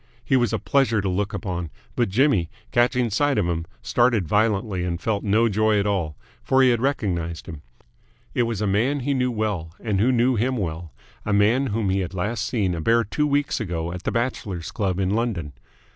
He was a pleasure to look upon, but Jimmy, catching sight of him, started violently and felt no joy at all; for he had recognised him. It was a man he knew well and who knew him well a man whom he had last seen a bare two weeks ago at the Bachelors' Club in London.